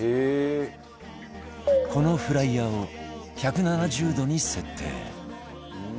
このフライヤーを１７０度に設定